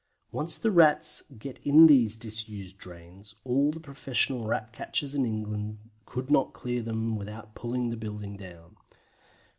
Once the Rats get in these disused drains all the professional Rat catchers in England could not clear them without pulling the building down.